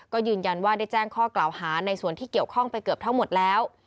ก็ยืนยันว่าได้แจ้งข้อกล่าวหาในส่วนที่เกี่ยวข้องไปเกือบทั้งหมดแล้ว